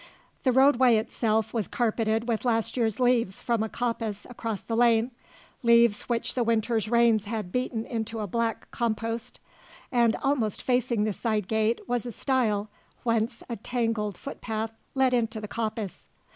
The roadway itself was carpeted with last year's leaves from a coppice across the lane leaves which the winter's rains had beaten into a black compost; and almost facing the side gate was a stile whence a tangled footpath led into the coppice.